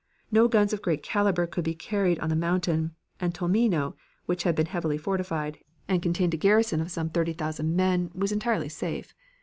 No guns of great caliber could be carried on the mountain, and Tolmino, which had been heavily fortified, and contained a garrison of some thirty thousand men, was entirely safe.